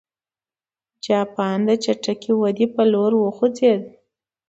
جاپان د چټکې ودې په لور وخوځېد.